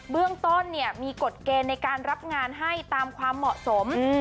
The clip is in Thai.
เรื่องต้นมีกฎเกณฑ์ในการรับงานให้ตามความเหมาะสม